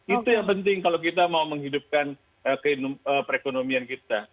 itu yang penting kalau kita mau menghidupkan perekonomian kita